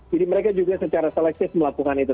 jadi mereka juga secara selektif melakukan itu